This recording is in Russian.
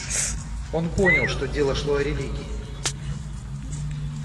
Он понял, что дело шло о религии.